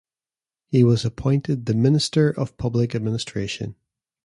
He was appointed the Minister of Public Administration.